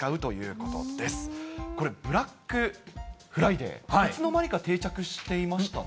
これ、ブラックフライデー、いつの間にか定着していましたね。